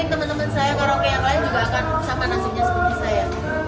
mungkin teman teman saya kalau kayak lain juga akan sampai nasibnya seperti saya